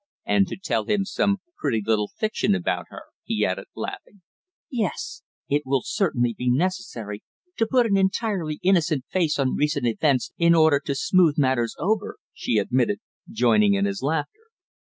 "And to tell him some pretty little fiction about her?" he added, laughing. "Yes. It will certainly be necessary to put an entirely innocent face on recent events in order to smooth matters over," she admitted, joining in his laughter.